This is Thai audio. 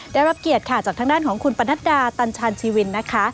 ได้รับเกียรติค่ะจากทางด้านของคุณปนัดดาตัญชาญชีวินนะคะ